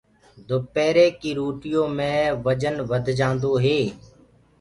دُپيري ڪي روٽيو مي وجن وڌ جآندو هي۔